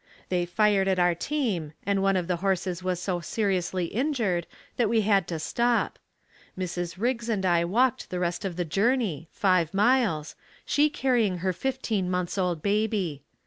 They fired at our team and one of the horses was so seriously injured that we had to stop. Mrs. Riggs and I walked the rest of the journey, five miles, she carrying her fifteen months old baby.